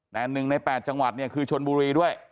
แต่๑ใน๘จังหวัดเนี่ยคือชนบุรีด้วย